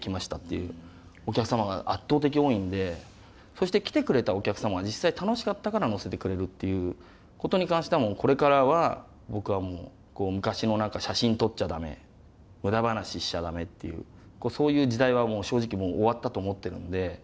そして来てくれたお客様が実際楽しかったから載せてくれるっていうことに関してはこれからは僕はもう昔の写真撮っちゃ駄目無駄話しちゃ駄目っていうそういう時代は正直もう終わったと思ってるんで。